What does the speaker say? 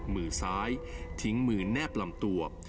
มือซ้ายทิ้งมือแนบลำตัว